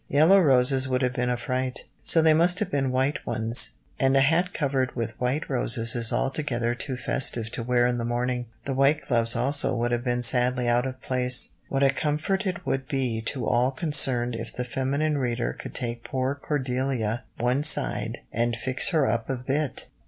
Yellow roses would have been a fright, so they must have been white ones, and a hat covered with white roses is altogether too festive to wear in the morning. The white gloves also would have been sadly out of place. What a comfort it would be to all concerned if the feminine reader could take poor Cordelia one side and fix her up a bit!